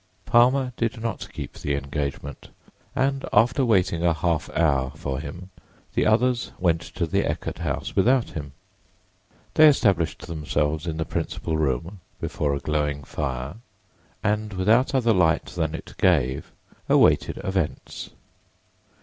Palmer did not keep the engagement, and after waiting a half hour for him the others went to the Eckert house without him. They established themselves in the principal room, before a glowing fire, and without other light than it gave, awaited events.